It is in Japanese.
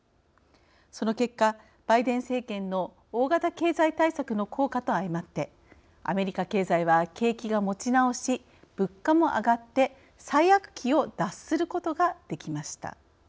その結果バイデン政権の大型経済対策の効果と相まってアメリカ経済は景気が持ち直し物価も上がって最悪期を脱することができました。